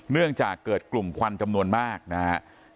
เนื่องจากเกิดกลุ่มควันจำนวนมากนะครับ